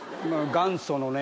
元祖のね。